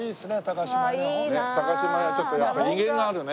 高島屋ちょっとやっぱ威厳があるね。